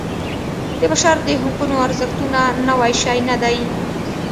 د بشر د حقونو ارزښتونه نوی شی نه دی.